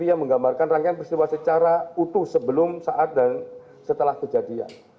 yang menggambarkan rangkaian peristiwa secara utuh sebelum saat dan setelah kejadian